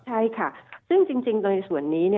ใช่ค่ะซึ่งจริงโดยส่วนนี้